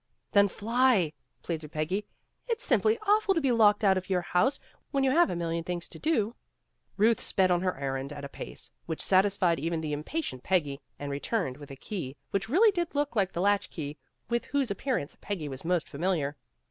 "Then, fly," pleaded Peggy, "It's simply aw ful to be locked out of your house when you have a million things to do. '' Ruth sped on her errand at a pace which satisfied even the impatient Peggy, and re turned with a key which really did look like the latch key with whose appearance Peggy was most familiar.